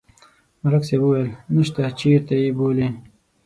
ملک صاحب ویل: نشته، چېرته یې بولي؟